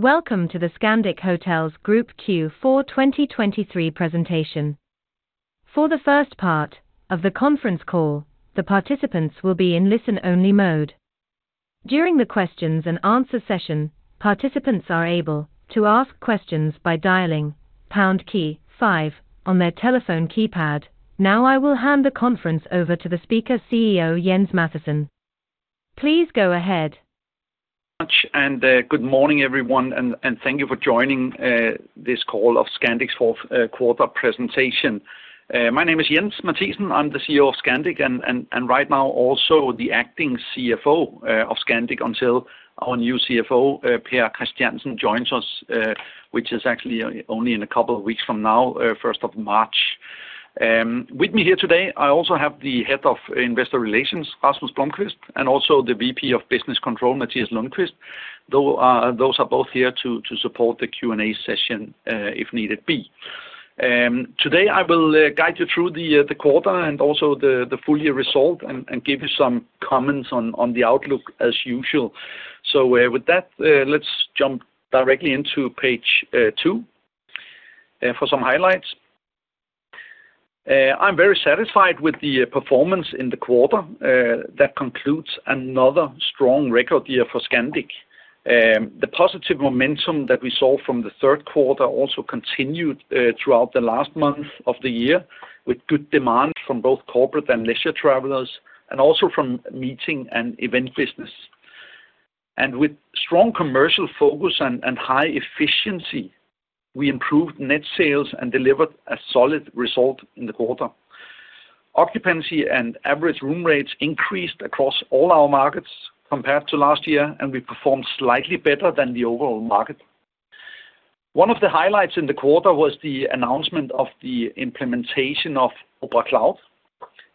Welcome to the Scandic Hotels Group Q4 2023 presentation. For the first part of the conference call, the participants will be in listen-only mode. During the questions-and-answers session, participants are able to ask questions by dialing pound key 5 on their telephone keypad. Now I will hand the conference over to the speaker, CEO Jens Mathiesen. Please go ahead. Good morning everyone, and thank you for joining this call of Scandic's fourth quarter presentation. My name is Jens Mathiesen, I'm the CEO of Scandic, and right now also the acting CFO of Scandic until our new CFO, Pär Christiansen, joins us, which is actually only in a couple of weeks from now, 1st of March. With me here today, I also have the head of investor relations, Rasmus Blomqvist, and also the VP of business control, Mathias Lundqvist, though those are both here to support the Q&A session if need be. Today I will guide you through the quarter and also the full year result and give you some comments on the outlook as usual. So with that, let's jump directly into page 2 for some highlights. I'm very satisfied with the performance in the quarter that concludes another strong record year for Scandic. The positive momentum that we saw from the third quarter also continued throughout the last month of the year with good demand from both corporate and leisure travelers, and also from meeting and event business. With strong commercial focus and high efficiency, we improved net sales and delivered a solid result in the quarter. Occupancy and average room rates increased across all our markets compared to last year, and we performed slightly better than the overall market. One of the highlights in the quarter was the announcement of the implementation of OPERA Cloud,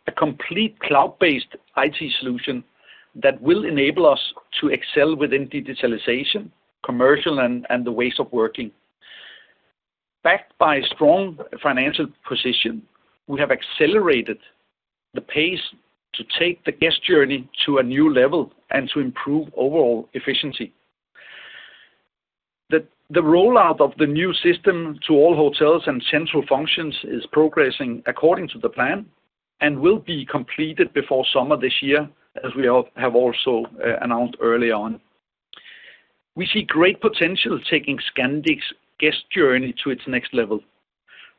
a complete cloud-based IT solution that will enable us to excel within digitalization, commercial, and the ways of working. Backed by a strong financial position, we have accelerated the pace to take the guest journey to a new level and to improve overall efficiency. The rollout of the new system to all hotels and central functions is progressing according to the plan and will be completed before summer this year, as we have also announced earlier on. We see great potential taking Scandic's guest journey to its next level.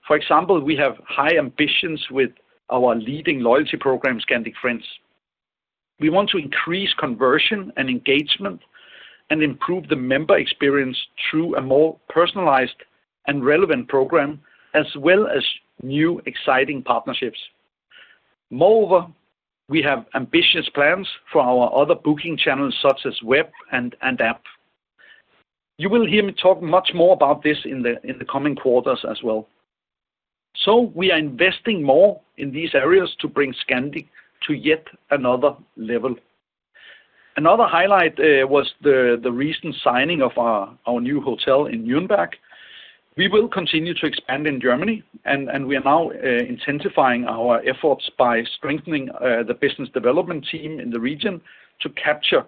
For example, we have high ambitions with our leading loyalty program, Scandic Friends. We want to increase conversion and engagement and improve the member experience through a more personalized and relevant program as well as new exciting partnerships. Moreover, we have ambitious plans for our other booking channels such as web and app. You will hear me talk much more about this in the coming quarters as well. So we are investing more in these areas to bring Scandic to yet another level. Another highlight was the recent signing of our new hotel in Nuremberg. We will continue to expand in Germany, and we are now intensifying our efforts by strengthening the business development team in the region to capture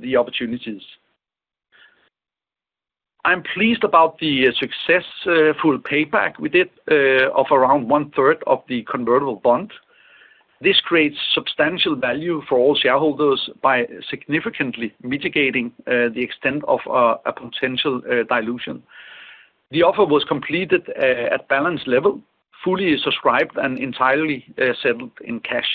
the opportunities. I'm pleased about the successful payback we did of around one-third of the convertible bond. This creates substantial value for all shareholders by significantly mitigating the extent of a potential dilution. The offer was completed at balance level, fully subscribed, and entirely settled in cash.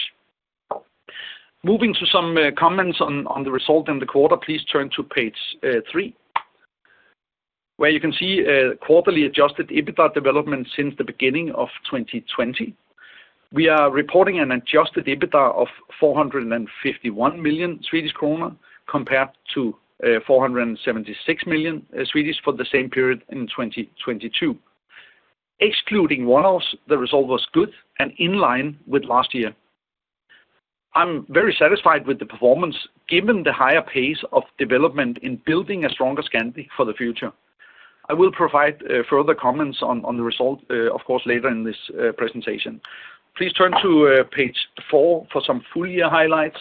Moving to some comments on the result in the quarter, please turn to page 3, where you can see quarterly Adjusted EBITDA development since the beginning of 2020. We are reporting an Adjusted EBITDA of 451 million Swedish kronor compared to 476 million for the same period in 2022. Excluding one-offs, the result was good and in line with last year. I'm very satisfied with the performance given the higher pace of development in building a stronger Scandic for the future. I will provide further comments on the result, of course, later in this presentation. Please turn to page 4 for some full year highlights.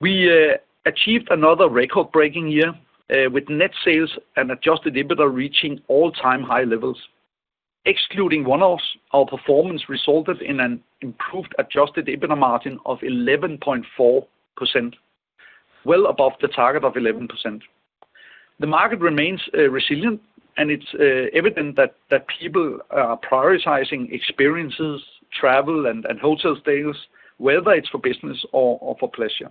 We achieved another record-breaking year with net sales and Adjusted EBITDA reaching all-time high levels. Excluding one-offs, our performance resulted in an improved Adjusted EBITDA margin of 11.4%, well above the target of 11%. The market remains resilient, and it's evident that people are prioritizing experiences, travel, and hotel stays, whether it's for business or for pleasure.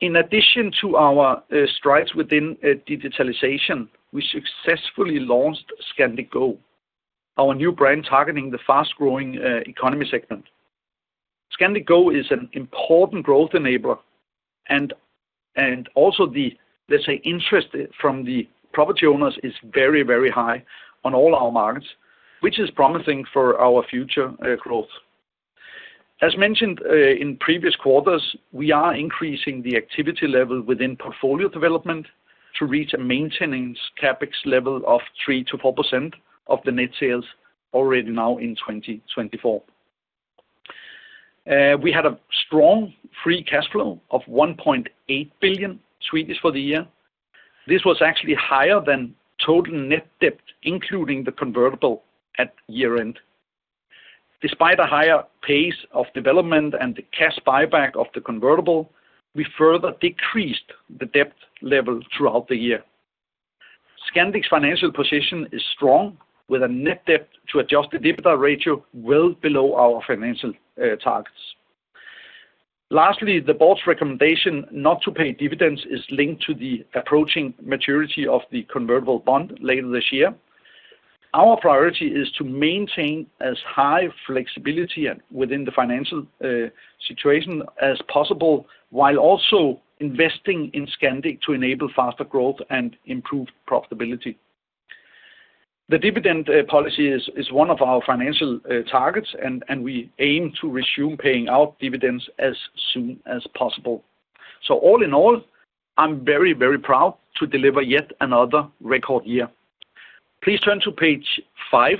In addition to our strides within digitalization, we successfully launched Scandic Go, our new brand targeting the fast-growing economy segment. Scandic Go is an important growth enabler, and also the, let's say, interest from the property owners is very, very high on all our markets, which is promising for our future growth. As mentioned in previous quarters, we are increasing the activity level within portfolio development to reach a maintenance Capex level of 3%-4% of the net sales already now in 2024. We had a strong free cash flow of 1.8 billion for the year. This was actually higher than total net debt, including the convertible, at year-end. Despite a higher pace of development and the cash buyback of the convertible, we further decreased the debt level throughout the year. Scandic's financial position is strong, with a net debt to Adjusted EBITDA ratio well below our financial targets. Lastly, the board's recommendation not to pay dividends is linked to the approaching maturity of the convertible bond later this year. Our priority is to maintain as high flexibility within the financial situation as possible while also investing in Scandic to enable faster growth and improved profitability. The dividend policy is one of our financial targets, and we aim to resume paying out dividends as soon as possible. So all in all, I'm very, very proud to deliver yet another record year. Please turn to page five.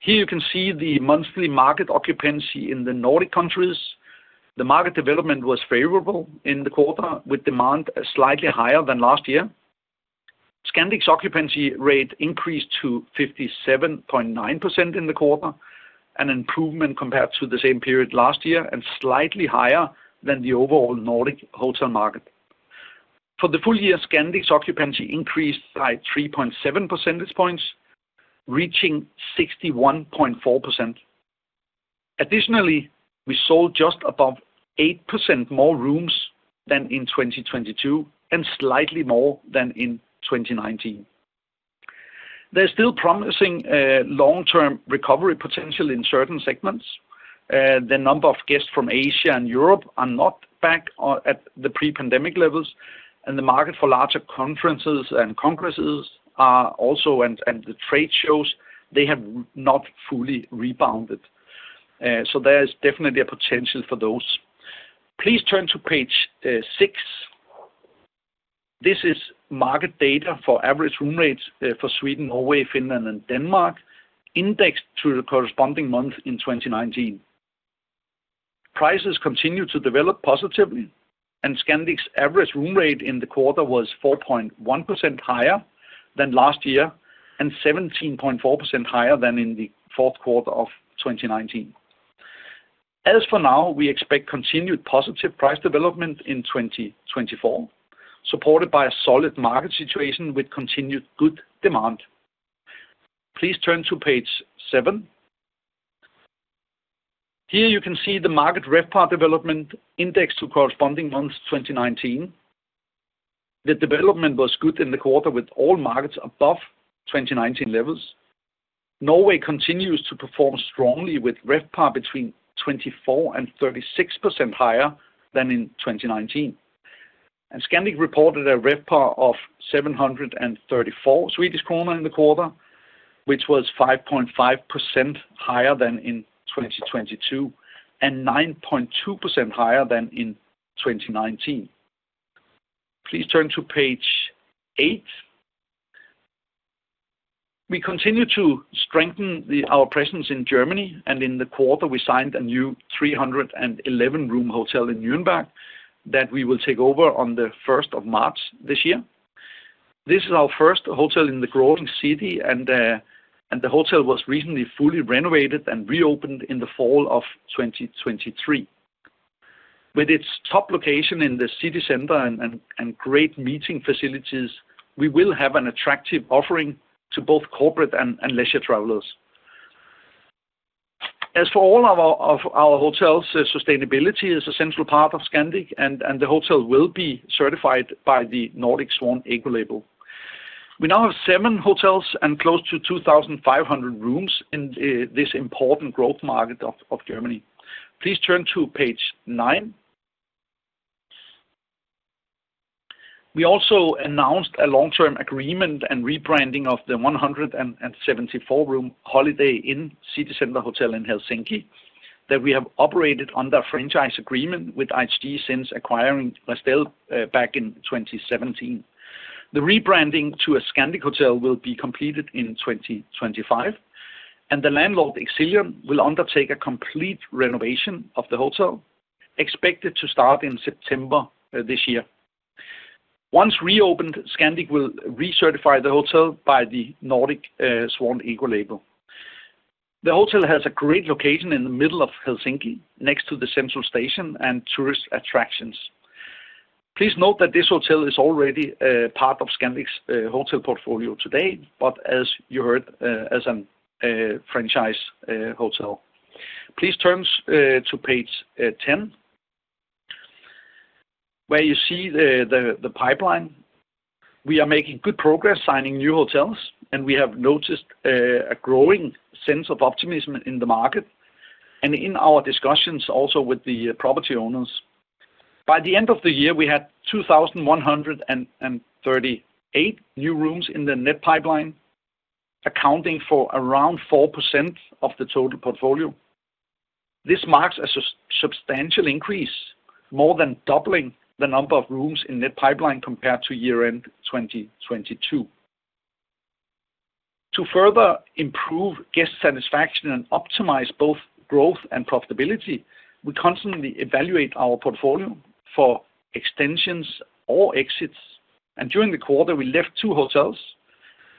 Here you can see the monthly market occupancy in the Nordic countries. The market development was favorable in the quarter, with demand slightly higher than last year. Scandic's occupancy rate increased to 57.9% in the quarter, an improvement compared to the same period last year and slightly higher than the overall Nordic hotel market. For the full year, Scandic's occupancy increased by 3.7 percentage points, reaching 61.4%. Additionally, we sold just above 8% more rooms than in 2022 and slightly more than in 2019. There's still promising long-term recovery potential in certain segments. The number of guests from Asia and Europe are not back at the pre-pandemic levels, and the market for larger conferences and congresses are also, and the trade shows, they have not fully rebounded. So there is definitely a potential for those. Please turn to page 6. This is market data for average room rates for Sweden, Norway, Finland, and Denmark, indexed to the corresponding month in 2019. Prices continue to develop positively, and Scandic's average room rate in the quarter was 4.1% higher than last year and 17.4% higher than in the fourth quarter of 2019. As for now, we expect continued positive price development in 2024, supported by a solid market situation with continued good demand. Please turn to page 7. Here you can see the market RevPAR development indexed to corresponding months 2019. The development was good in the quarter with all markets above 2019 levels. Norway continues to perform strongly with RevPAR 24%-36% higher than in 2019. And Scandic reported a RevPAR of 734 Swedish kronor in the quarter, which was 5.5% higher than in 2022 and 9.2% higher than in 2019. Please turn to page 8. We continue to strengthen our presence in Germany, and in the quarter, we signed a new 311-room hotel in Nuremberg that we will take over on the 1st of March this year. This is our first hotel in the growing city, and the hotel was recently fully renovated and reopened in the fall of 2023. With its top location in the city center and great meeting facilities, we will have an attractive offering to both corporate and leisure travelers. As for all our hotels, sustainability is a central part of Scandic, and the hotel will be certified by the Nordic Swan Ecolabel. We now have seven hotels and close to 2,500 rooms in this important growth market of Germany. Please turn to page 9. We also announced a long-term agreement and rebranding of the 174-room Holiday Inn City Center Hotel in Helsinki that we have operated under a franchise agreement with IHG since acquiring Restel back in 2017. The rebranding to a Scandic hotel will be completed in 2025, and the landlord, Exilion, will undertake a complete renovation of the hotel, expected to start in September this year. Once reopened, Scandic will recertify the hotel by the Nordic Swan Ecolabel. The hotel has a great location in the middle of Helsinki, next to the central station and tourist attractions. Please note that this hotel is already part of Scandic's hotel portfolio today, but as you heard, as a franchise hotel. Please turn to page 10, where you see the pipeline. We are making good progress signing new hotels, and we have noticed a growing sense of optimism in the market and in our discussions also with the property owners. By the end of the year, we had 2,138 new rooms in the net pipeline, accounting for around 4% of the total portfolio. This marks a substantial increase, more than doubling the number of rooms in net pipeline compared to year-end 2022. To further improve guest satisfaction and optimize both growth and profitability, we constantly evaluate our portfolio for extensions or exits. During the quarter, we left two hotels,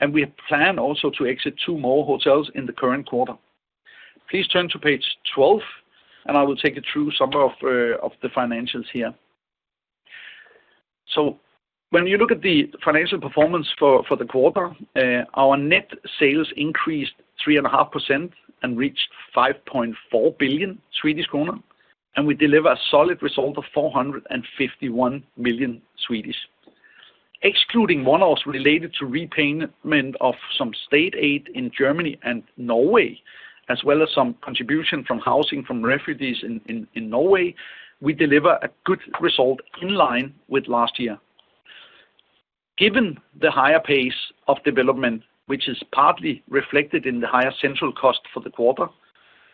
and we plan also to exit two more hotels in the current quarter. Please turn to page 12, and I will take you through some of the financials here. When you look at the financial performance for the quarter, our net sales increased 3.5% and reached 5.4 billion Swedish kronor, and we deliver a solid result of 451 million. Excluding one-offs related to repayment of some state aid in Germany and Norway, as well as some contribution from housing from refugees in Norway, we deliver a good result in line with last year. Given the higher pace of development, which is partly reflected in the higher central cost for the quarter,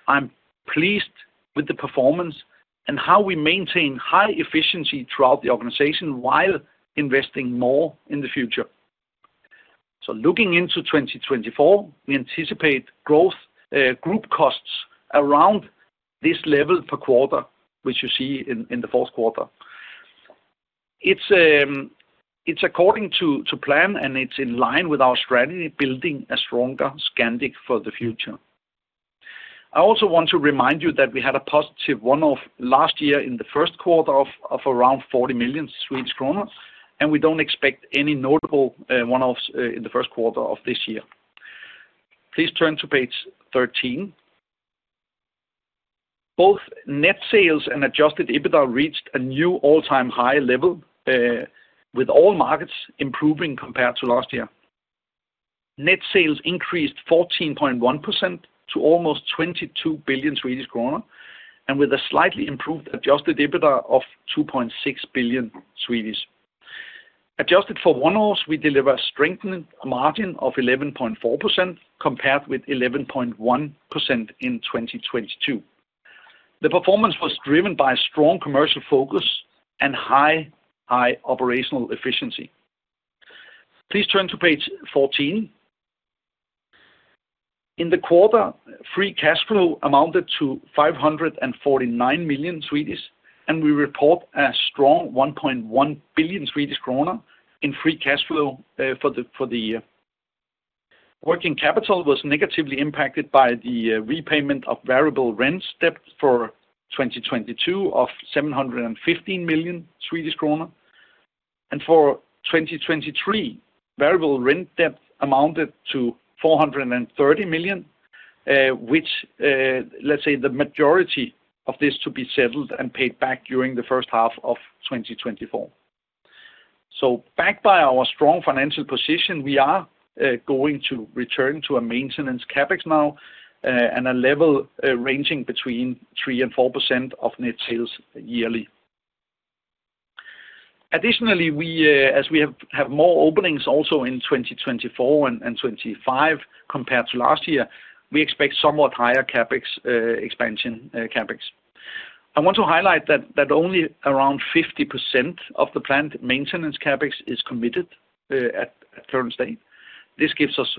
I'm pleased with the performance and how we maintain high efficiency throughout the organization while investing more in the future. So looking into 2024, we anticipate growth group costs around this level per quarter, which you see in the fourth quarter. It's according to plan, and it's in line with our strategy building a stronger Scandic for the future. I also want to remind you that we had a positive one-off last year in the first quarter of around 40 million Swedish kronor, and we don't expect any notable one-offs in the first quarter of this year. Please turn to page 13. Both net sales and Adjusted EBITDA reached a new all-time high level, with all markets improving compared to last year. Net sales increased 14.1% to almost 22 billion Swedish kronor, and with a slightly improved Adjusted EBITDA of 2.6 billion. Adjusted for one-offs, we deliver a strengthening margin of 11.4% compared with 11.1% in 2022. The performance was driven by a strong commercial focus and high operational efficiency. Please turn to page 14. In the quarter, free cash flow amounted to 549 million, and we report a strong 1.1 billion Swedish kronor in free cash flow for the year. Working capital was negatively impacted by the repayment of variable rent debt for 2022 of 715 million Swedish kronor. For 2023, variable rent debt amounted to 430 million, which, let's say, the majority of this to be settled and paid back during the first half of 2024. Backed by our strong financial position, we are going to return to a maintenance CapEx now and a level ranging between 3%-4% of net sales yearly. Additionally, as we have more openings also in 2024 and 2025 compared to last year, we expect somewhat higher CapEx expansion. I want to highlight that only around 50% of the planned maintenance CapEx is committed at current state. This gives us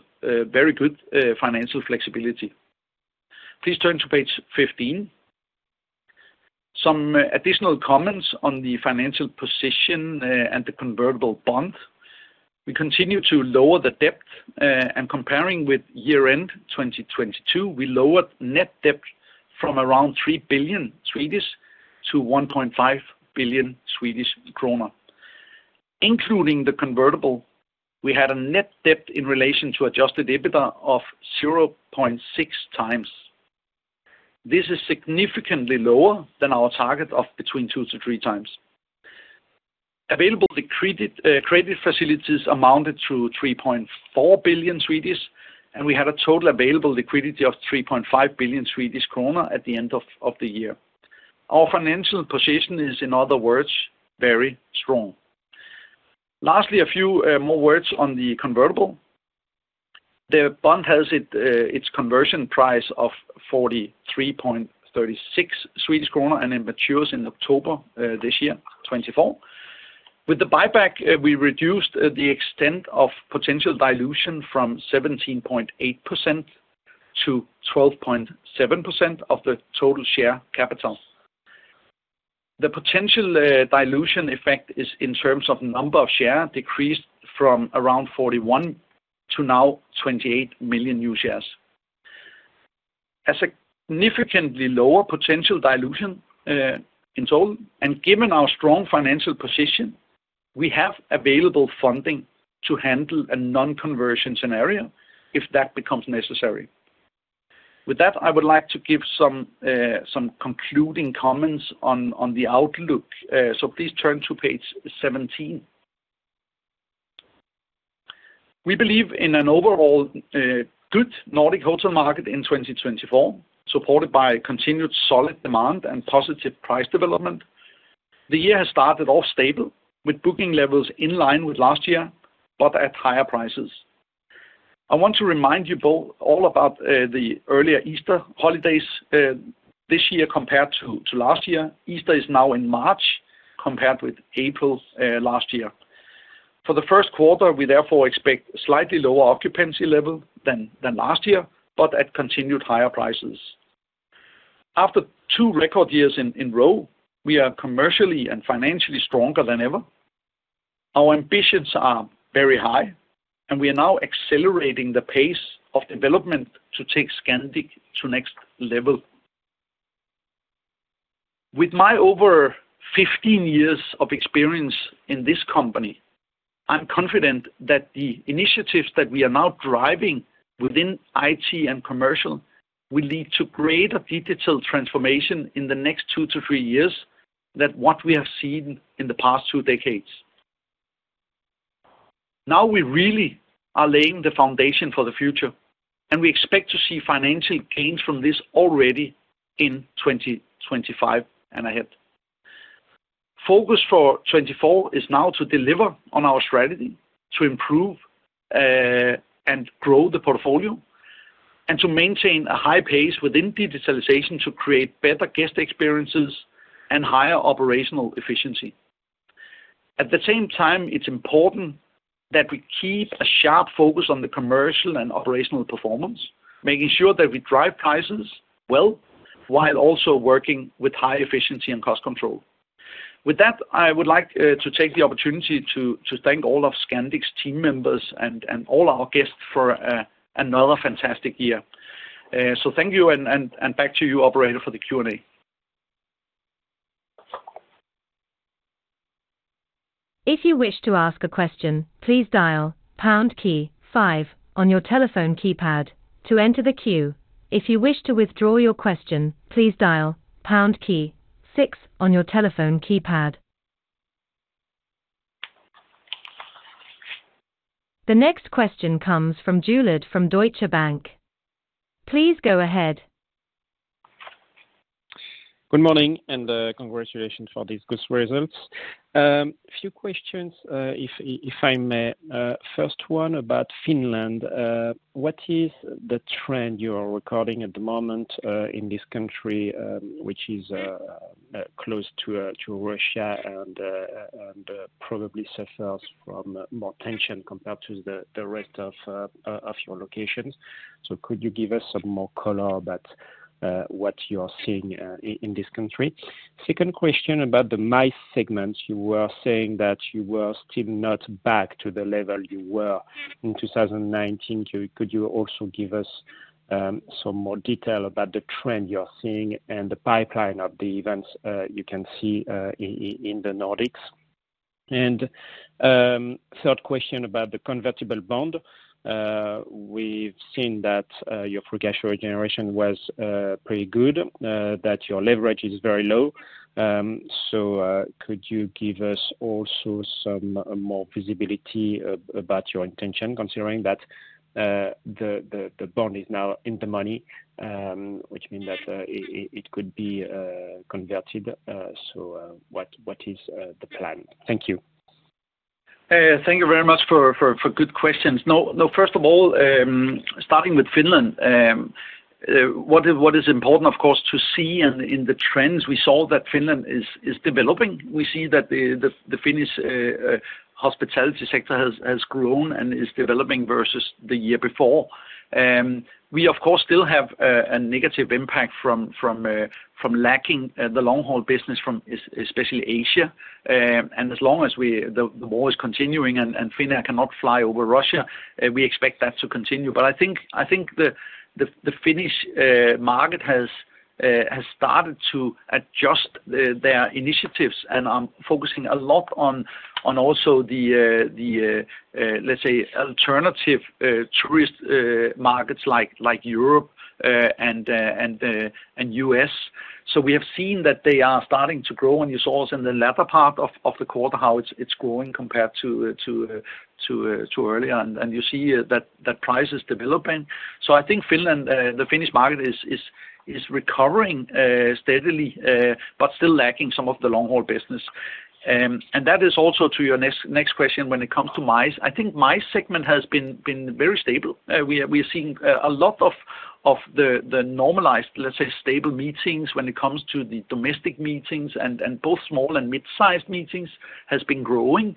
very good financial flexibility. Please turn to page 15. Some additional comments on the financial position and the convertible bond. We continue to lower the debt, and comparing with year-end 2022, we lowered net debt from around 3 billion to 1.5 billion Swedish kronor, including the convertible. We had a net debt in relation to adjusted EBITDA of 0.6x. This is significantly lower than our target of between 2x-3x. Available credit facilities amounted to 3.4 billion, and we had a total available liquidity of 3.5 billion Swedish kronor at the end of the year. Our financial position is, in other words, very strong. Lastly, a few more words on the convertible. The bond has its conversion price of 43.36 Swedish kronor and it matures in October this year, 2024. With the buyback, we reduced the extent of potential dilution from 17.8% to 12.7% of the total share capital. The potential dilution effect is, in terms of number of share, decreased from around 41 to now 28 million new shares. A significantly lower potential dilution in total. And given our strong financial position, we have available funding to handle a non-conversion scenario if that becomes necessary. With that, I would like to give some concluding comments on the outlook. Please turn to page 17. We believe in an overall good Nordic hotel market in 2024, supported by continued solid demand and positive price development. The year has started off stable, with booking levels in line with last year but at higher prices. I want to remind you all about the earlier Easter holidays this year compared to last year. Easter is now in March, compared with April last year. For the first quarter, we therefore expect slightly lower occupancy level than last year but at continued higher prices. After two record years in row, we are commercially and financially stronger than ever. Our ambitions are very high, and we are now accelerating the pace of development to take Scandic to next level. With my over 15 years of experience in this company, I'm confident that the initiatives that we are now driving within IT and commercial will lead to greater digital transformation in the next 2-3 years than what we have seen in the past 2 decades. Now we really are laying the foundation for the future, and we expect to see financial gains from this already in 2025 and ahead. Focus for 2024 is now to deliver on our strategy, to improve and grow the portfolio, and to maintain a high pace within digitalization to create better guest experiences and higher operational efficiency. At the same time, it's important that we keep a sharp focus on the commercial and operational performance, making sure that we drive prices well while also working with high efficiency and cost control. With that, I would like to take the opportunity to thank all of Scandic's team members and all our guests for another fantastic year. So thank you, and back to you, operator, for the Q&A. If you wish to ask a question, please dial pound key 5 on your telephone keypad to enter the queue. If you wish to withdraw your question, please dial pound key 6 on your telephone keypad. The next question comes from André Juillard from Deutsche Bank. Please go ahead. Good morning and congratulations for these good results. A few questions, if I may. First one about Finland. What is the trend you are recording at the moment in this country, which is close to Russia and probably suffers from more tension compared to the rest of your locations? So could you give us some more color about what you are seeing in this country? Second question about the MICE segments. You were saying that you were still not back to the level you were in 2019. Could you also give us some more detail about the trend you are seeing and the pipeline of the events you can see in the Nordics? And third question about the convertible bond. We've seen that your free cash flow regeneration was pretty good, that your leverage is very low. Could you give us also some more visibility about your intention, considering that the bond is now in the money, which means that it could be converted? What is the plan? Thank you. Thank you very much for good questions. First of all, starting with Finland, what is important, of course, to see in the trends? We saw that Finland is developing. We see that the Finnish hospitality sector has grown and is developing versus the year before. We, of course, still have a negative impact from lacking the long-haul business, especially Asia. And as long as the war is continuing and Finland cannot fly over Russia, we expect that to continue. But I think the Finnish market has started to adjust their initiatives and are focusing a lot on also the, let's say, alternative tourist markets like Europe and U.S. So we have seen that they are starting to grow. And you saw also in the latter part of the quarter how it's growing compared to earlier, and you see that price is developing. I think the Finnish market is recovering steadily but still lacking some of the long-haul business. That is also to your next question when it comes to MICE. I think MICE segment has been very stable. We are seeing a lot of the normalized, let's say, stable meetings when it comes to the domestic meetings, and both small and mid-sized meetings have been growing.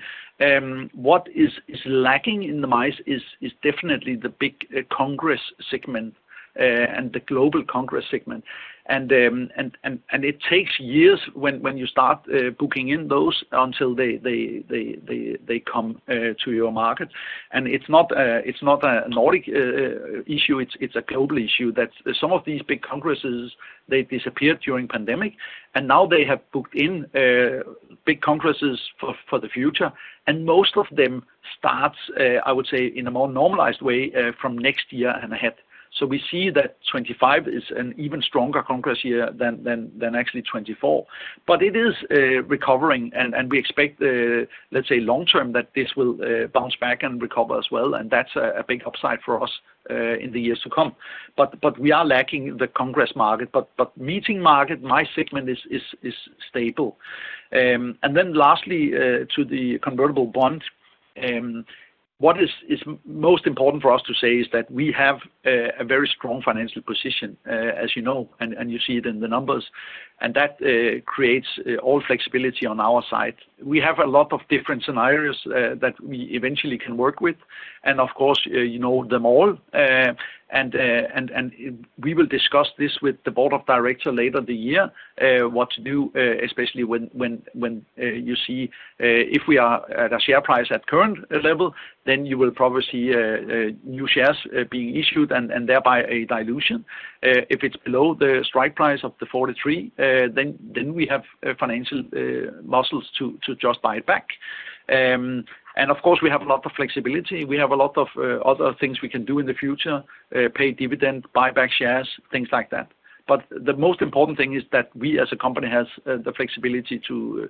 What is lacking in the MICE is definitely the big congress segment and the global congress segment. It takes years when you start booking in those until they come to your market. It's not a Nordic issue. It's a global issue that some of these big congresses, they disappeared during the pandemic, and now they have booked in big congresses for the future. Most of them starts, I would say, in a more normalized way from next year and ahead. So we see that 2025 is an even stronger congress year than actually 2024. But it is recovering, and we expect, let's say, long-term that this will bounce back and recover as well. And that's a big upside for us in the years to come. But we are lacking the congress market. But meeting market, MICE segment is stable. And then lastly, to the convertible bond, what is most important for us to say is that we have a very strong financial position, as you know, and you see it in the numbers. And that creates all flexibility on our side. We have a lot of different scenarios that we eventually can work with, and of course, you know them all. We will discuss this with the board of directors later this year, what to do, especially when you see if we are at a share price at current level, then you will probably see new shares being issued and thereby a dilution. If it's below the strike price of the 43, then we have financial muscles to just buy it back. And of course, we have a lot of flexibility. We have a lot of other things we can do in the future: pay dividend, buy back shares, things like that. But the most important thing is that we, as a company, have the flexibility to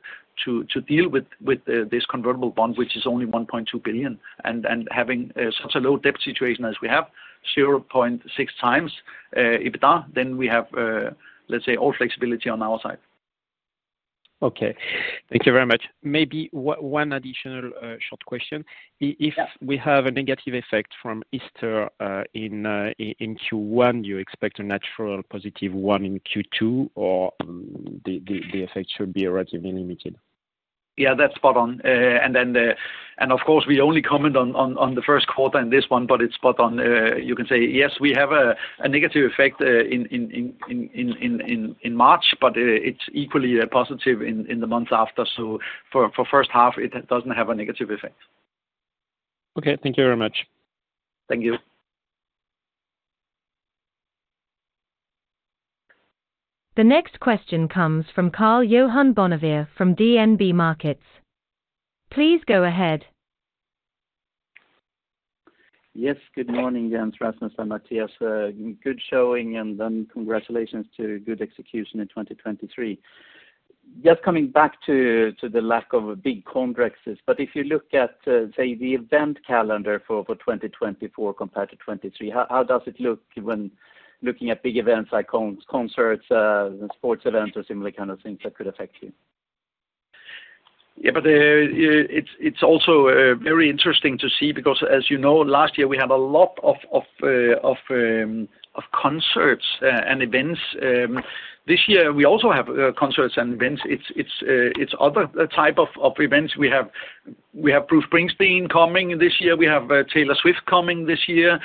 deal with this convertible bond, which is only 1.2 billion. And having such a low debt situation as we have, 0.6x EBITDA, then we have, let's say, all flexibility on our side. Okay. Thank you very much. Maybe one additional short question. If we have a negative effect from Easter in Q1, do you expect a natural positive one in Q2, or the effect should be relatively limited? Yeah, that's spot on. Of course, we only comment on the first quarter in this one, but it's spot on. You can say, yes, we have a negative effect in March, but it's equally positive in the months after. For the first half, it doesn't have a negative effect. Okay. Thank you very much. Thank you. The next question comes from Karl-Johan Bonnevier from DNB Markets. Please go ahead. Yes. Good morning, Jens Mathiesen. Good showing, and then congratulations to good execution in 2023. Just coming back to the lack of big congresses. But if you look at, say, the event calendar for 2024 compared to 2023, how does it look when looking at big events like concerts, sports events, or similar kind of things that could affect you? Yeah, but it's also very interesting to see because, as you know, last year we had a lot of concerts and events. This year, we also have concerts and events. It's other type of events. We have Bruce Springsteen coming this year. We have Taylor Swift coming this year,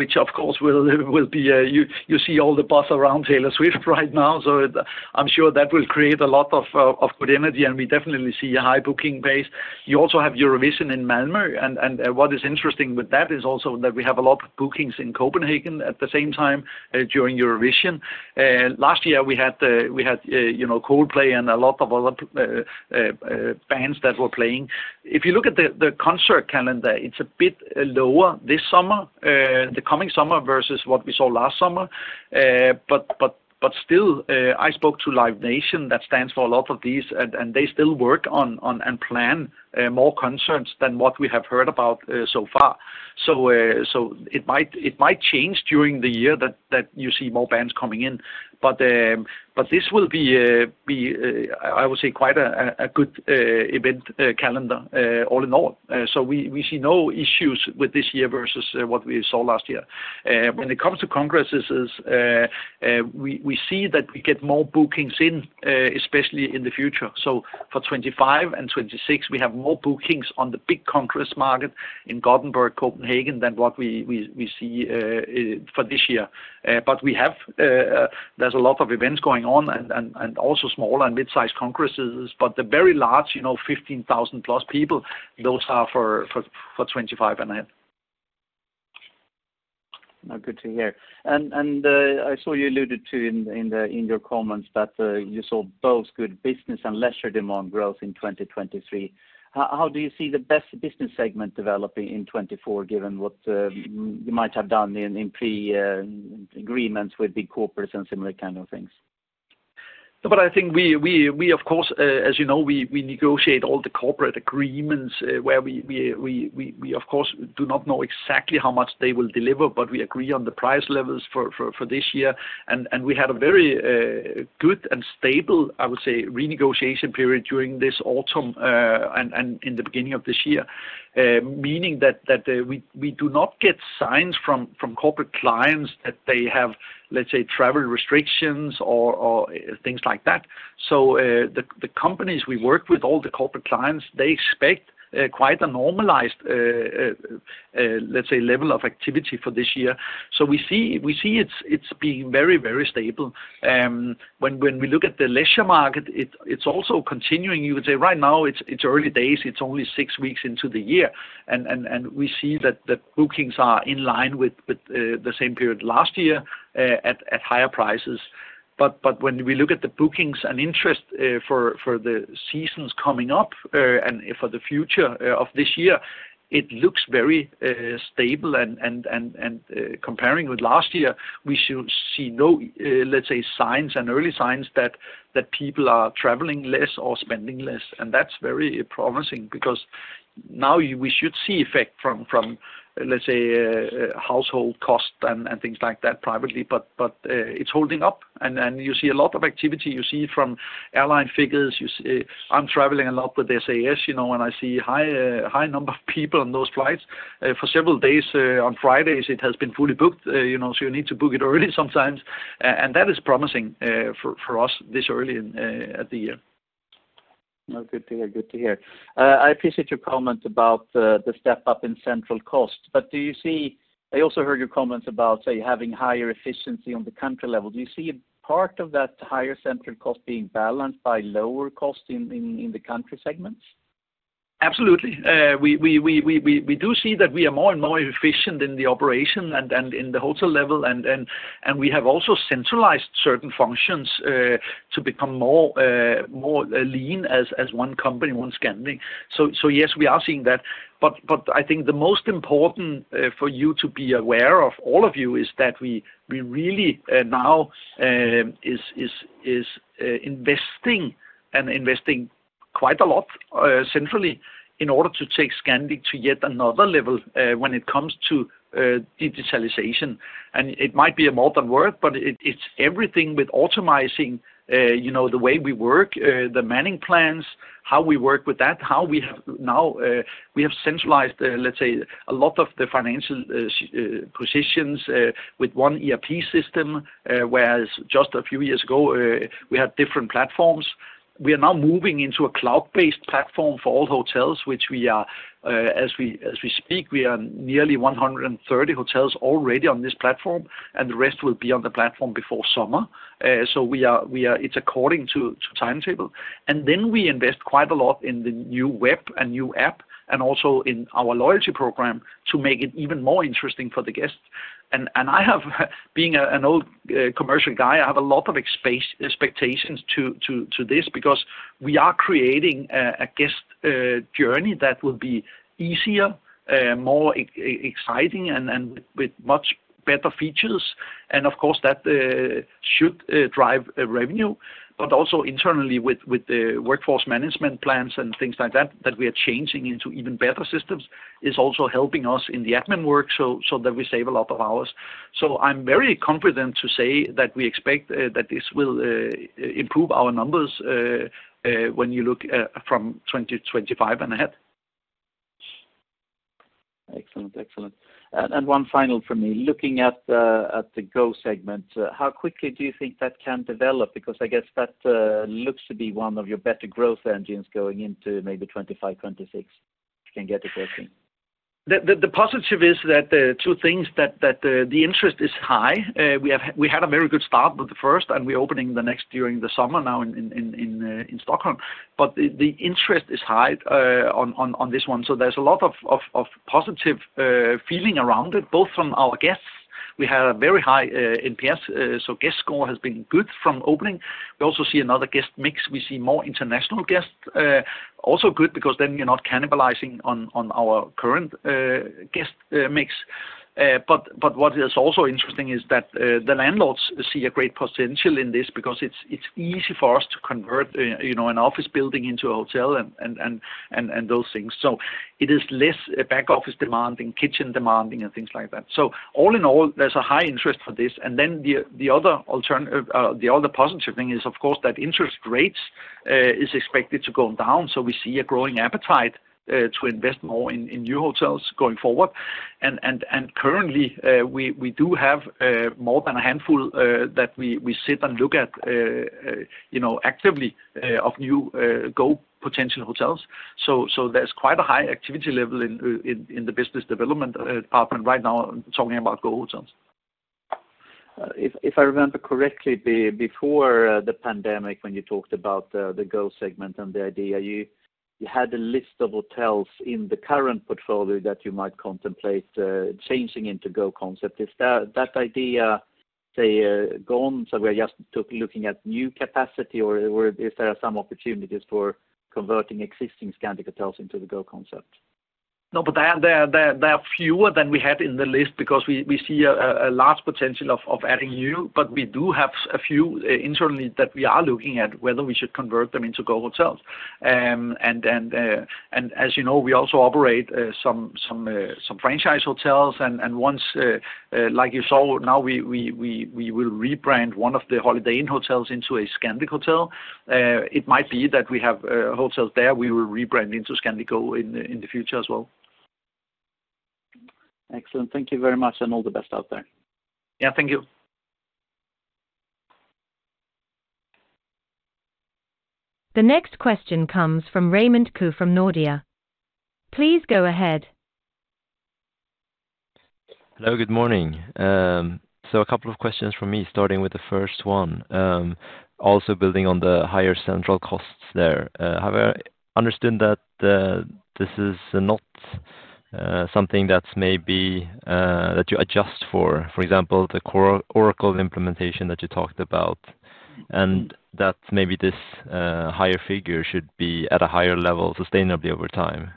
which, of course, will be you see all the buzz around Taylor Swift right now. So I'm sure that will create a lot of good energy, and we definitely see a high booking pace. You also have Eurovision in Malmö. And what is interesting with that is also that we have a lot of bookings in Copenhagen at the same time during Eurovision. Last year, we had Coldplay and a lot of other bands that were playing. If you look at the concert calendar, it's a bit lower this summer, the coming summer, versus what we saw last summer. But still, I spoke to Live Nation, that stands for a lot of these, and they still work on and plan more concerts than what we have heard about so far. So it might change during the year that you see more bands coming in. But this will be, I would say, quite a good event calendar all in all. So we see no issues with this year versus what we saw last year. When it comes to congresses, we see that we get more bookings in, especially in the future. So for 2025 and 2026, we have more bookings on the big congress market in Gothenburg, Copenhagen, than what we see for this year. But there's a lot of events going on and also smaller and mid-sized congresses. But the very large, 15,000+ people, those are for 2025 and ahead. Now, good to hear. And I saw you alluded to in your comments that you saw both good business and lesser demand growth in 2023. How do you see the best business segment developing in 2024, given what you might have done in pre-agreements with big corporates and similar kind of things? No, but I think we, of course, as you know, we negotiate all the corporate agreements where we, of course, do not know exactly how much they will deliver, but we agree on the price levels for this year. We had a very good and stable, I would say, renegotiation period during this autumn and in the beginning of this year, meaning that we do not get signs from corporate clients that they have, let's say, travel restrictions or things like that. The companies we work with, all the corporate clients, they expect quite a normalized, let's say, level of activity for this year. We see it's being very, very stable. When we look at the leisure market, it's also continuing. You could say right now it's early days. It's only six weeks into the year. We see that bookings are in line with the same period last year at higher prices. When we look at the bookings and interest for the seasons coming up and for the future of this year, it looks very stable. Comparing with last year, we should see no, let's say, signs and early signs that people are traveling less or spending less. That's very promising because now we should see effect from, let's say, household costs and things like that privately. It's holding up. You see a lot of activity. You see from airline figures. I'm traveling a lot with SAS, and I see a high number of people on those flights. For several days on Fridays, it has been fully booked. You need to book it early sometimes. That is promising for us this early in the year. No, good to hear. Good to hear. I appreciate your comment about the step-up in central cost. But do you see? I also heard your comments about, say, having higher efficiency on the country level. Do you see part of that higher central cost being balanced by lower cost in the country segments? Absolutely. We do see that we are more and more efficient in the operation and in the hotel level. We have also centralized certain functions to become more lean as one company, one Scandic. Yes, we are seeing that. I think the most important for you to be aware of, all of you, is that we really now are investing and investing quite a lot centrally in order to take Scandic to yet another level when it comes to digitalization. It might be a modern word, but it's everything with automating the way we work, the manning plans, how we work with that, how we have now centralized, let's say, a lot of the financial positions with one ERP system, whereas just a few years ago, we had different platforms. We are now moving into a cloud-based platform for all hotels, which we are as we speak, we are nearly 130 hotels already on this platform, and the rest will be on the platform before summer. So it's according to timetable. And then we invest quite a lot in the new web and new app and also in our loyalty program to make it even more interesting for the guests. And being an old commercial guy, I have a lot of expectations to this because we are creating a guest journey that will be easier, more exciting, and with much better features. And of course, that should drive revenue. But also internally, with the workforce management plans and things like that, that we are changing into even better systems is also helping us in the admin work so that we save a lot of hours. I'm very confident to say that we expect that this will improve our numbers when you look from 2025 and ahead. Excellent. Excellent. One final for me. Looking at the Go segment, how quickly do you think that can develop? Because I guess that looks to be one of your better growth engines going into maybe 2025, 2026, if you can get it working. The positive is that two things, that the interest is high. We had a very good start with the first, and we're opening the next during the summer now in Stockholm. But the interest is high on this one. So there's a lot of positive feeling around it, both from our guests. We had a very high NPS, so guest score has been good from opening. We also see another guest mix. We see more international guests, also good because then you're not cannibalizing on our current guest mix. But what is also interesting is that the landlords see a great potential in this because it's easy for us to convert an office building into a hotel and those things. So it is less back-office demanding, kitchen demanding, and things like that. So all in all, there's a high interest for this. And then the other positive thing is, of course, that interest rates are expected to go down. So we see a growing appetite to invest more in new hotels going forward. And currently, we do have more than a handful that we sit and look at actively of new Go potential hotels. So there's quite a high activity level in the business development department right now talking about Go hotels. If I remember correctly, before the pandemic, when you talked about the Go segment and the idea, you had a list of hotels in the current portfolio that you might contemplate changing into Go concept. Is that idea, say, gone? So we're just looking at new capacity, or is there some opportunities for converting existing Scandic Hotels into the Go concept? No, but there are fewer than we had in the list because we see a large potential of adding new. But we do have a few internally that we are looking at, whether we should convert them into Go hotels. And as you know, we also operate some franchise hotels. And once, like you saw, now we will rebrand one of the Holiday Inn hotels into a Scandic hotel. It might be that we have hotels there. We will rebrand into Scandic Go in the future as well. Excellent. Thank you very much, and all the best out there. Yeah, thank you. The next question comes from Raymond Koo from Nordea. Please go ahead. Hello. Good morning. So a couple of questions from me, starting with the first one, also building on the higher central costs there. Have I understood that this is not something that's maybe that you adjust for, for example, the Oracle implementation that you talked about, and that maybe this higher figure should be at a higher level sustainably over time?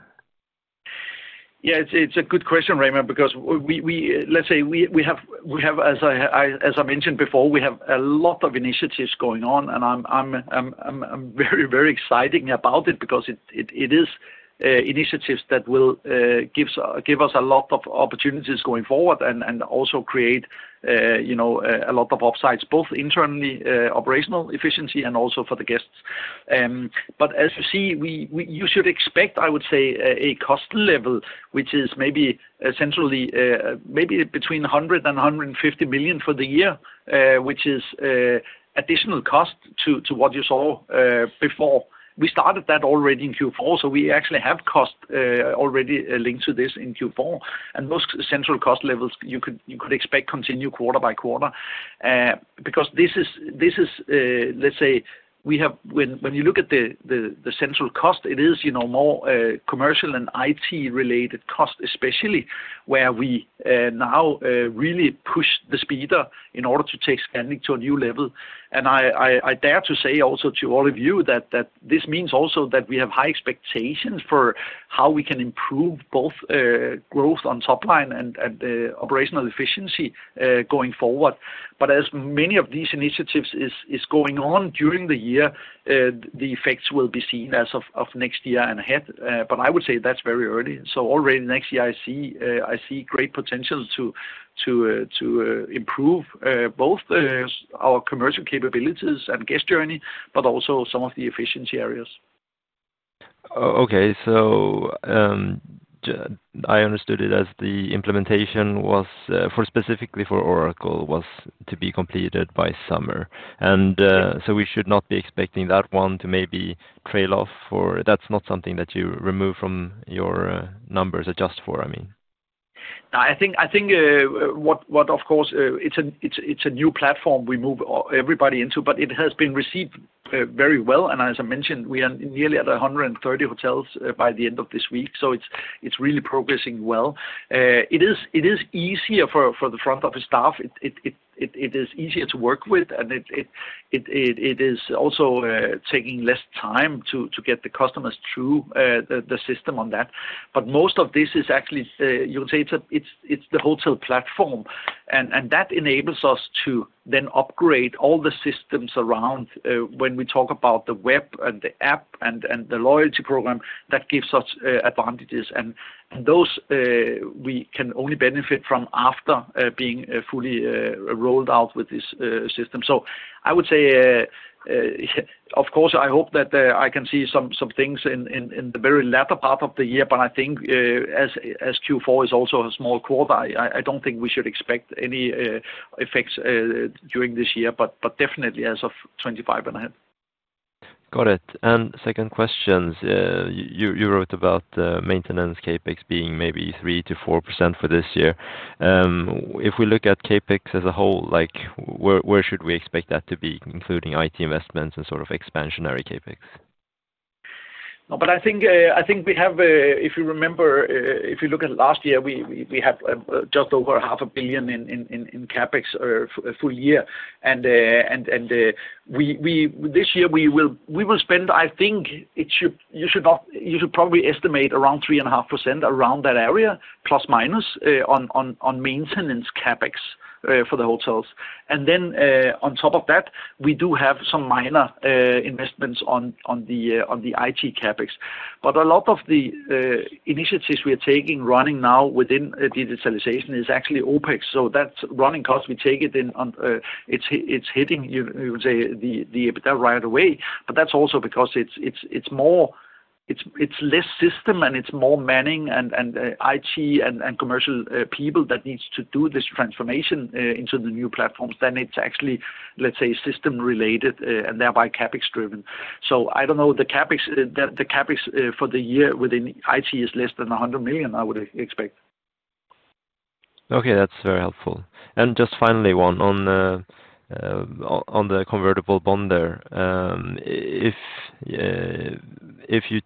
Yeah, it's a good question, Raymond, because let's say we have, as I mentioned before, we have a lot of initiatives going on. And I'm very, very excited about it because it is initiatives that will give us a lot of opportunities going forward and also create a lot of upsides, both internally, operational efficiency, and also for the guests. But as you see, you should expect, I would say, a cost level, which is maybe centrally between 100 million and 150 million for the year, which is additional cost to what you saw before. We started that already in Q4, so we actually have cost already linked to this in Q4. Those central cost levels, you could expect continue quarter by quarter because this is, let's say, when you look at the central cost, it is more commercial and IT-related cost, especially where we now really push the speeder in order to take Scandic to a new level. I dare to say also to all of you that this means also that we have high expectations for how we can improve both growth on top line and operational efficiency going forward. But as many of these initiatives are going on during the year, the effects will be seen as of next year and ahead. I would say that's very early. So already next year, I see great potential to improve both our commercial capabilities and guest journey, but also some of the efficiency areas. Okay. So I understood it as the implementation specifically for Oracle was to be completed by summer. So we should not be expecting that one to maybe trail off, or that's not something that you remove from your numbers adjust for, I mean. No, I think, of course, it's a new platform we move everybody into, but it has been received very well. And as I mentioned, we are nearly at 130 hotels by the end of this week. So it's really progressing well. It is easier for the front office staff. It is easier to work with. And it is also taking less time to get the customers through the system on that. But most of this is actually, you could say, it's the hotel platform. And that enables us to then upgrade all the systems around when we talk about the web and the app and the loyalty program that gives us advantages. And those we can only benefit from after being fully rolled out with this system. So I would say, of course, I hope that I can see some things in the very latter part of the year. I think as Q4 is also a small quarter, I don't think we should expect any effects during this year, but definitely as of 2025 and ahead. Got it. Second questions. You wrote about maintenance Capex being maybe 3%-4% for this year. If we look at Capex as a whole, where should we expect that to be, including IT investments and sort of expansionary Capex? No, but I think we have, if you remember, if you look at last year, we had just over 500 million in Capex full year. And this year, we will spend, I think you should probably estimate around 3.5% around that area, ±, on maintenance Capex for the hotels. And then on top of that, we do have some minor investments on the IT Capex. But a lot of the initiatives we are taking running now within digitalization is actually OPEX. So that's running cost. We take it in. It's hitting, you could say, the EBITDA right away. But that's also because it's less system, and it's more manning and IT and commercial people that needs to do this transformation into the new platforms than it's actually, let's say, system-related and thereby Capex-driven. So I don't know. The Capex for the year within IT is less than 100 million, I would expect. Okay. That's very helpful. And just finally one, on the convertible bond there. If you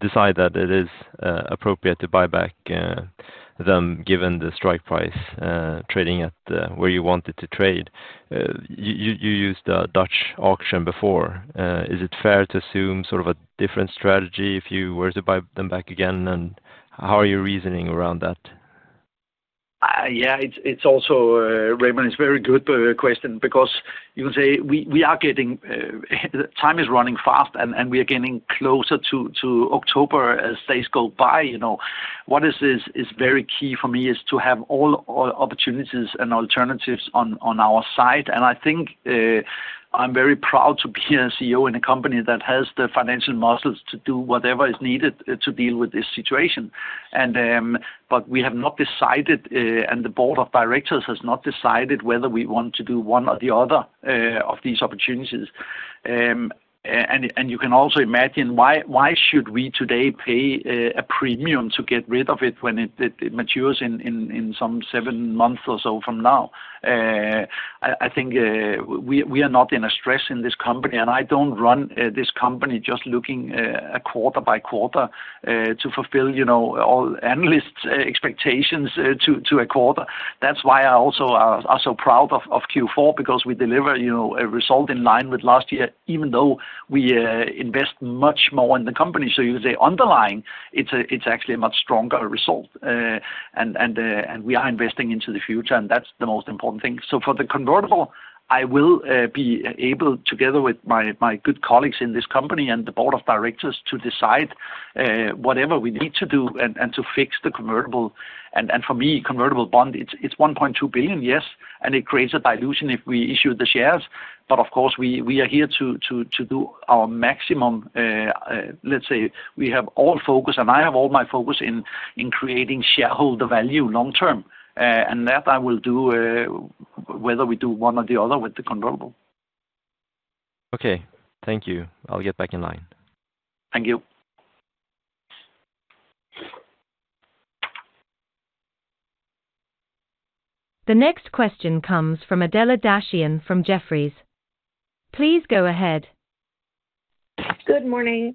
decide that it is appropriate to buy back them given the strike price trading at where you want it to trade, you used a Dutch auction before. Is it fair to assume sort of a different strategy if you were to buy them back again? And how are you reasoning around that? Yeah. Raymond, it's a very good question because you can say we are getting time is running fast, and we are getting closer to October as days go by. What is very key for me is to have all opportunities and alternatives on our side. And I think I'm very proud to be a CEO in a company that has the financial muscles to do whatever is needed to deal with this situation. But we have not decided, and the board of directors has not decided, whether we want to do one or the other of these opportunities. And you can also imagine why should we today pay a premium to get rid of it when it matures in some seven months or so from now? I think we are not in a stress in this company. I don't run this company just looking quarter by quarter to fulfill all analysts' expectations to a quarter. That's why I also are so proud of Q4 because we deliver a result in line with last year, even though we invest much more in the company. You could say underlying, it's actually a much stronger result. We are investing into the future, and that's the most important thing. For the convertible, I will be able, together with my good colleagues in this company and the board of directors, to decide whatever we need to do and to fix the convertible. For me, convertible bond, it's 1.2 billion, yes. It creates a dilution if we issue the shares. Of course, we are here to do our maximum. Let's say we have all focus, and I have all my focus in creating shareholder value long term. That I will do whether we do one or the other with the convertible. Okay. Thank you. I'll get back in line. Thank you. The next question comes from Adela Dashian from Jefferies. Please go ahead. Good morning.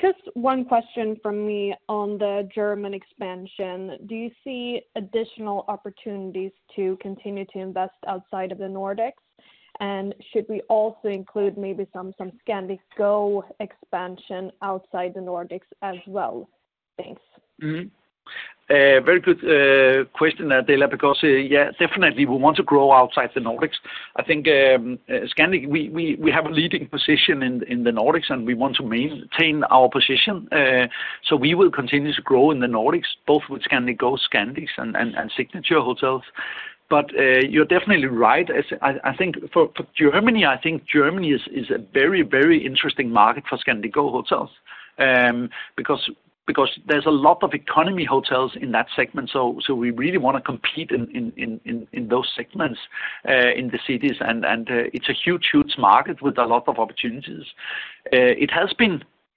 Just one question from me on the German expansion. Do you see additional opportunities to continue to invest outside of the Nordics? And should we also include maybe some Scandic Go expansion outside the Nordics as well? Thanks. Very good question, Adela, because yeah, definitely, we want to grow outside the Nordics. I think Scandic, we have a leading position in the Nordics, and we want to maintain our position. So we will continue to grow in the Nordics, both with Scandic Go, Scandics, and Signature Hotels. But you're definitely right. I think for Germany, I think Germany is a very, very interesting market for Scandic Go hotels because there's a lot of economy hotels in that segment. So we really want to compete in those segments in the cities. And it's a huge, huge market with a lot of opportunities.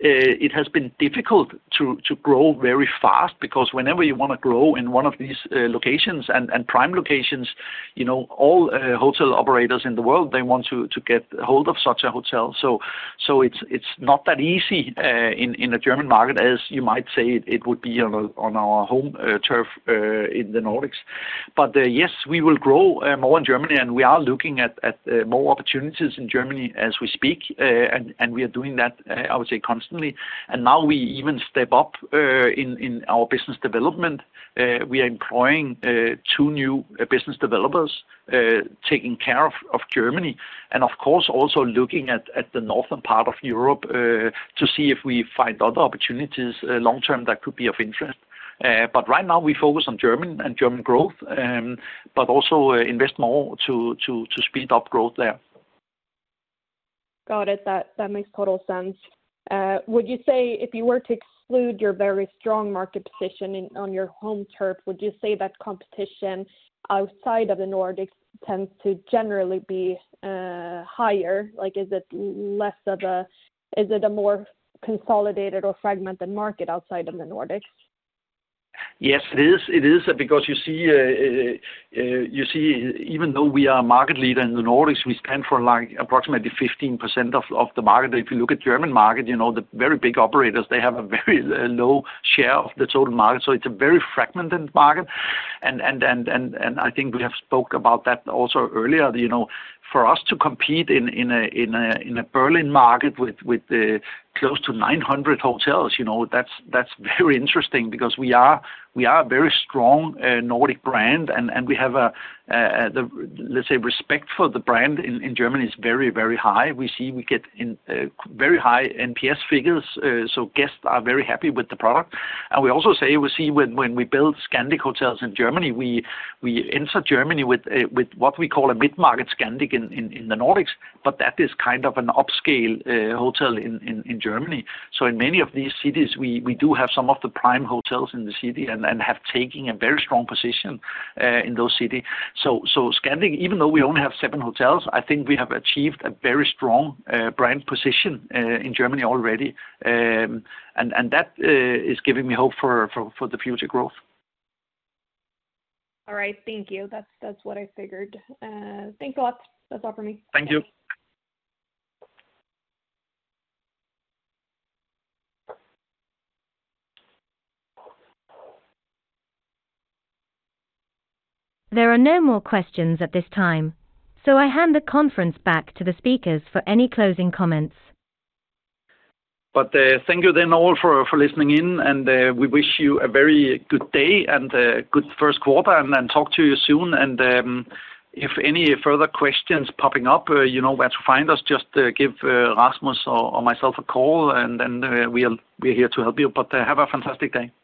It has been difficult to grow very fast because whenever you want to grow in one of these locations and prime locations, all hotel operators in the world, they want to get hold of such a hotel. So it's not that easy in a German market as you might say it would be on our home turf in the Nordics. But yes, we will grow more in Germany. And we are looking at more opportunities in Germany as we speak. And we are doing that, I would say, constantly. And now we even step up in our business development. We are employing two new business developers, taking care of Germany, and of course, also looking at the northern part of Europe to see if we find other opportunities long term that could be of interest. But right now, we focus on Germany and German growth, but also invest more to speed up growth there. Got it. That makes total sense. Would you say if you were to exclude your very strong market position on your home turf, would you say that competition outside of the Nordics tends to generally be higher? Is it less of a more consolidated or fragmented market outside of the Nordics? Yes, it is. It is because you see, even though we are a market leader in the Nordics, we spend for approximately 15% of the market. If you look at the German market, the very big operators, they have a very low share of the total market. So it's a very fragmented market. And I think we have spoke about that also earlier. For us to compete in a Berlin market with close to 900 hotels, that's very interesting because we are a very strong Nordic brand. And we have a, let's say, respect for the brand in Germany is very, very high. We see we get very high NPS figures. So guests are very happy with the product. And we also say we see when we build Scandic hotels in Germany, we enter Germany with what we call a mid-market Scandic in the Nordics. That is kind of an upscale hotel in Germany. In many of these cities, we do have some of the prime hotels in the city and have taken a very strong position in those cities. Scandic, even though we only have 7 hotels, I think we have achieved a very strong brand position in Germany already. That is giving me hope for the future growth. All right. Thank you. That's what I figured. Thanks a lot. That's all from me. Thank you. There are no more questions at this time. So I hand the conference back to the speakers for any closing comments. But thank you then all for listening in. We wish you a very good day and a good first quarter. Talk to you soon. If any further questions popping up, you know where to find us. Just give Rasmus or myself a call, and then we're here to help you. But have a fantastic day.